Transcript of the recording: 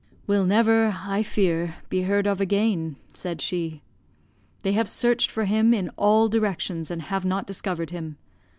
"Will never, I fear, be heard of again," said she. "They have searched for him in all directions and have not discovered him.